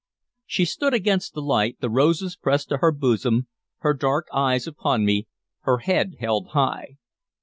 She stood against the light, the roses pressed to her bosom, her dark eyes upon me, her head held high.